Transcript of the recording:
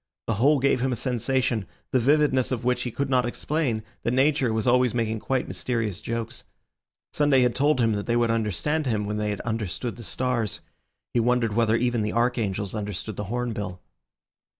The whole gave him a sensation, the vividness of which he could not explain, that Nature was always making quite mysterious jokes. Sunday had told them that they would understand him when they had understood the stars. He wondered whether even the archangels understood the hornbill.